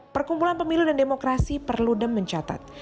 perkumpulan pemilu dan demokrasi perlu dem mencatat